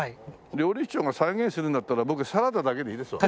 料理長が再現するんだったら僕サラダだけでいいですわ。